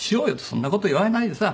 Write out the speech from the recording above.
「そんな事言わないでさ